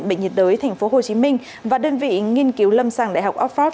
bệnh viện bệnh nhiệt đới tp hcm và đơn vị nghiên cứu lâm sàng đại học oxford